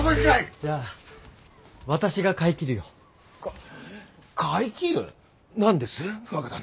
じゃあ私が買い切るよ。か買い切る？